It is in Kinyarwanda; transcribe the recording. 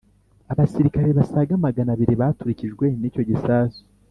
Abasirikare basaga Magana abiri baturikijwe n’icyo gisasu